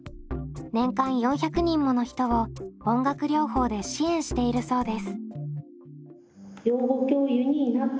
年間４００人もの人を音楽療法で支援しているそうです。